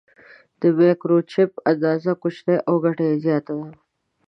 د مایکروچپ اندازه کوچنۍ او ګټه یې زیاته ده.